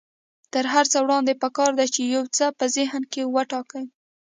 تر هر څه وړاندې پکار ده چې يو څه په ذهن کې وټاکئ.